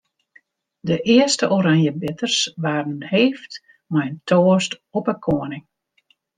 De earste oranjebitters waarden heefd mei in toast op 'e koaning.